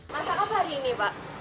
masak apa hari ini pak